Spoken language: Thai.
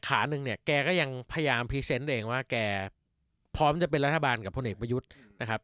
ขาหนึ่งเนี่ยแกก็ยังพยายามพรีเซนต์เองว่าแกพร้อมจะเป็นรัฐบาลกับพลเอกประยุทธ์นะครับ